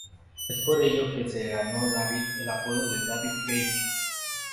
Es por ello que se ganó David el apodo de "David Baches".